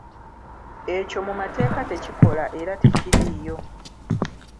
Ekyo mu mateeka tekikola era tekiriiyo.